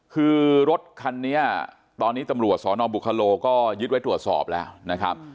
คือรถคันนี้ตอนนี้ตำรวจสนบุคโลก็ยึดไว้ตรวจสอบแล้วนะครับ